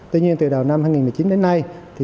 tuy nhiên từ đầu năm hai nghìn một mươi chín đến nay